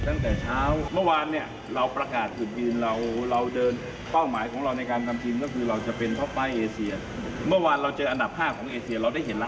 กว่าจะขึ้นไปถึงที่๕ของเอเชีย